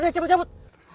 udah cabut cabut